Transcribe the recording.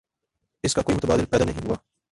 اس کا کوئی متبادل پیدا نہیں ہوا۔